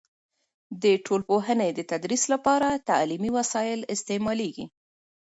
د ټولنپوهنې د تدریس لپاره تعلیمي وسایل استعمالیږي.